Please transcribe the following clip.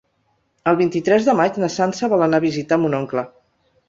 El vint-i-tres de maig na Sança vol anar a visitar mon oncle.